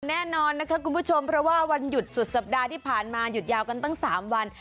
แน่นอนนะคะคุณผู้ชมเพราะว่าวันหยุดสุดสัปดาห์ที่ผ่านมาหยุดยาวกันตั้ง๓วัน